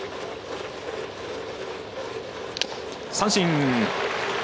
三振！